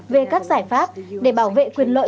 về các giải pháp để bảo vệ quyền lợi